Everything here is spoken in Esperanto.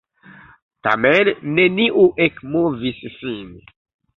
Tamen neniu ekmovis sin!